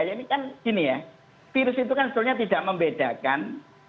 ini kan gini ya virus itu kan sebetulnya tidak membedakan